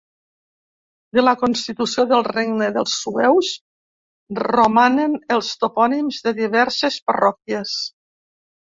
De la constitució del regne dels Sueus romanen els topònims de diverses parròquies.